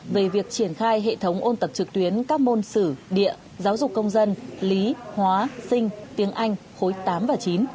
về việc triển khai hệ thống ôn tập trực tuyến các môn sử địa giáo dục công dân lý hóa sinh tiếng anh khối tám và chín